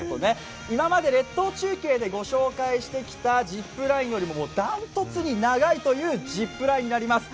今まで列島中継でご紹介してきたジップラインよりも断トツに長いというジップラインになります。